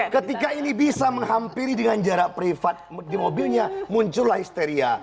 ketika ini bisa menghampiri dengan jarak privat di mobilnya muncullah histeria